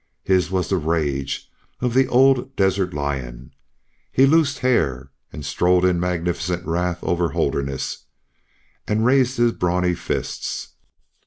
His was the rage of the old desert lion. He loosed Hare and strode in magnificent wrath over Holderness and raised his brawny fists.